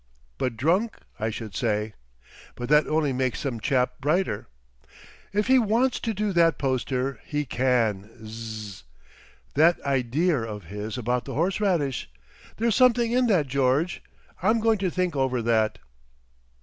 But drunk, I should say. But that only makes some chap brighter. If he WANTS to do that poster, he can. Zzzz. That ideer of his about the horseradish. There's something in that, George. I'm going to think over that...."